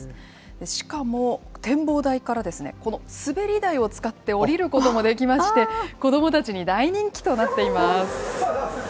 しかも、展望台からこの滑り台を使って下りることもできまして、子どもたちに大人気となっています。